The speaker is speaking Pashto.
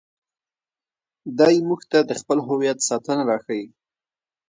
دی موږ ته د خپل هویت ساتنه راښيي.